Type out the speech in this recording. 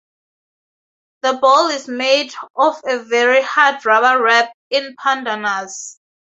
The ball is made of a very hard rubber wrapped in pandanus.